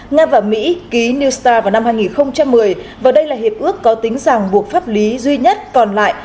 nga và mỹ ký new star vào năm hai nghìn một mươi và đây là hiệp ước có tính giảng buộc pháp lý duy nhất còn lại